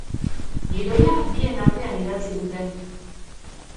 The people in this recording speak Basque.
Gidoia bien artean idatzi dute.